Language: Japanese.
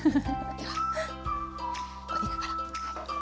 では鶏肉から。